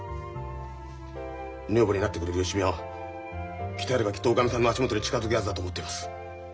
女房になってくれる芳美は鍛えればきっとおかみさんの足元に近づくやつだと思ってます。